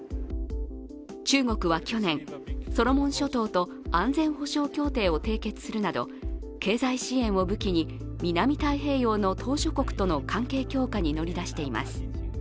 中国は去年、ソロモン諸島と安全保障協定を締結するなど経済支援を武器に南太平洋の島しょ国との関係強化に乗り出しています。